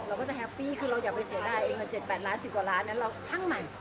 เราก็จะแฮปปี้คือเราอยากไปเสียได้๗๘ล้าน๑๐กว่าล้านแล้วเราช่างมัน